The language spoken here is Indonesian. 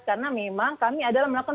karena memang kami adalah pembinaan